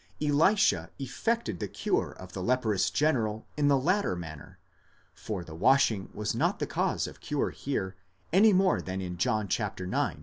Elisha effected the cure of the leprous general in the latter manner (for the washing was not the cause of cure here, any more than in John ix.